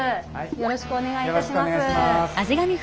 よろしくお願いします。